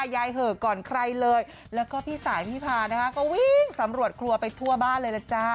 เหอะก่อนใครเลยแล้วก็พี่สายพี่พานะคะก็วิ่งสำรวจครัวไปทั่วบ้านเลยล่ะจ้า